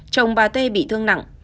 chồng bà t bị thương nặng